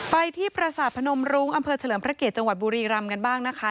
ไปที่ประสาทพนมรุ้งอำเภอเฉลิมพระเกียรติจังหวัดบุรีรำกันบ้างนะคะ